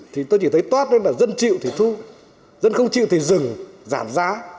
thì tôi chỉ thấy toát lên là dân chịu thì thu dân không chịu thì dừng giảm giá